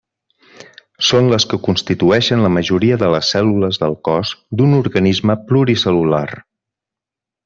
Són les que constitueixen la majoria de les cèl·lules del cos d'un organisme pluricel·lular.